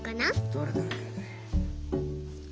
どれどれどれどれ。